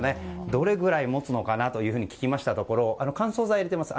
どれぐらいもつのかなと聞きましたところ乾燥剤を入れています。